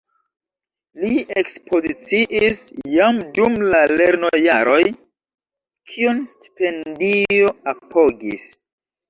Li ekspoziciis jam dum la lernojaroj, kion stipendio apogis.